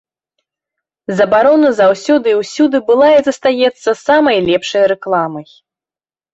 Забарона заўсёды і ўсюды была і застаецца самай лепшай рэкламай.